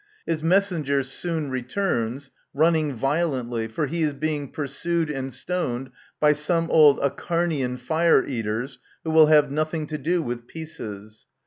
His messenger soon returns, run ning violently, for he is being pursued and stoned by some old Acharnian fire eaters, who will have nothing to do with peaces.